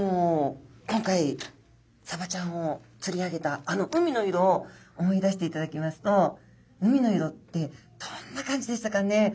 今回サバちゃんをつり上げたあの海の色を思い出していただきますと海の色ってどんな感じでしたかね？